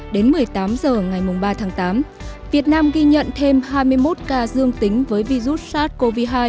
đến một mươi tám h ngày ba tháng tám việt nam ghi nhận thêm hai mươi một ca dương tính với virus sars cov hai